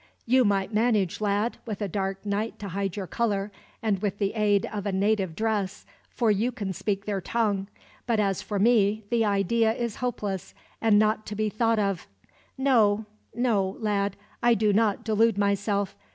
"You might manage, lad, with a dark night to hide your color, and with the aid of a native dress, for you can speak their tongue; but as for me, the idea is hopeless, and not to be thought of. No, no, lad, I do not delude myself.